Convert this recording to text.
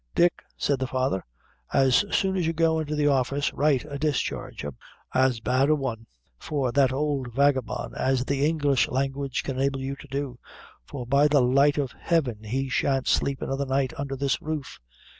"Dick," said the father, "as soon as you go into the office, write a discharge, as bad a one, for that old vagabond, as the English language can enable you to do for by the light of heaven, he shan't sleep another night under this roof."